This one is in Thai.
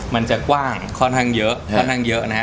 มันจะกว้างค่อนข้างเยอะนะฮะ